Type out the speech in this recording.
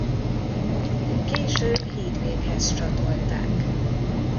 Később Hídvéghez csatolták.